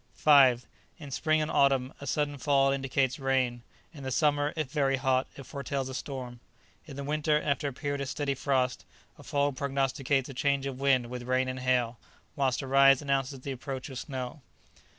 5. In spring and autumn a sudden fall indicates rain; in the summer, if very hot, it foretells a storm. In the winter, after a period of steady frost, a fall prognosticates a change of wind with rain and hail; whilst a rise announces the approach of snow.